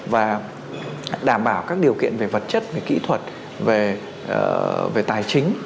và đảm bảo các điều kiện về vật chất về kỹ thuật về tài chính